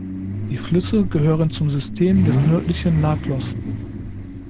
Die Flüsse gehören zum System des Nördlichen Laclos.